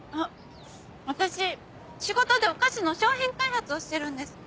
私仕事でお菓子の商品開発をしてるんです。